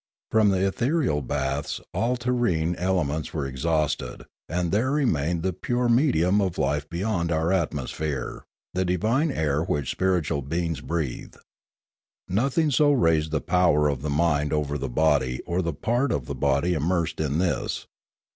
From the ethereal baths all terrene elements were exhausted, and there remained the pure medium of life beyond our atmosphere, the divine air which spiritual beings breathe. Nothing so raised the power of the mind over the body or the part of the body immersed in this.